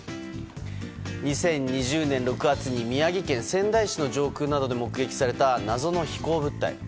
２０２０年６月に宮城県仙台市の上空などで目撃された謎の飛行物体。